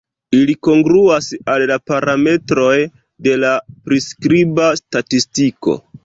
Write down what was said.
Ili kongruas al la "parametroj" de la priskriba statistiko.